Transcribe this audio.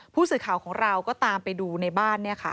ผู้สื่อข่าวของเราก็ตามไปดูในบ้าน